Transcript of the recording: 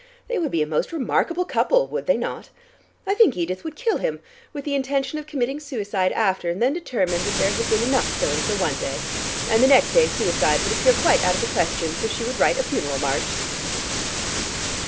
They would be a most remarkable couple, would they not? I think Edith would kill him, with the intention of committing suicide after, and then determine that there had been enough killing for one day. And the next day suicide would appear quite out of the question. So she would write a funeral march."